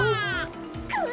く！